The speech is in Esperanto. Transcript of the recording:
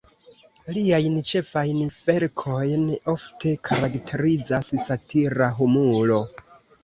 Liajn ĉefajn verkojn ofte karakterizas satira humuro.